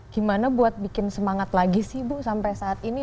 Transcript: gimana buat bikin semangat lagi sih bu sampai saat ini